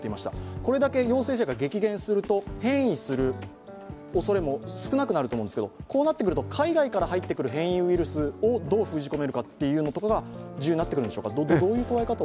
これだけ陽性者が激減すると変異するおそれも少なくなると思うんですけどこうなってくると海外から入ってくる変異ウイルスをどう封じ込めるかが重要なってくるんでしょうか、どういう捉え方を。